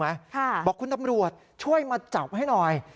บอกคุณตำรวจช่วยมาจับให้หน่อย